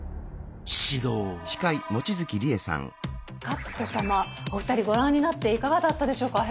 カップと玉お二人ご覧になっていかがだったでしょうか？